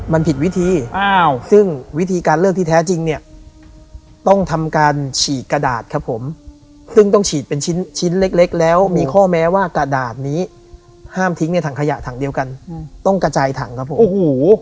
มันผิดวิธีซึ่งวิธีการเลิกที่แท้จริงเนี่ยต้องทำการฉีกกระดาษครับผมซึ่งต้องฉีดเป็นชิ้นชิ้นเล็กแล้วมีข้อแม้ว่ากระดาษนี้ห้ามทิ้งในถังขยะถังเดียวกันต้องกระจายถังครับผมโอ้โห